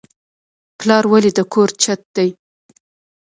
پلار ولې د کور چت دی؟